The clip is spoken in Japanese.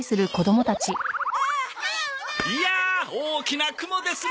いやあ大きな雲ですね。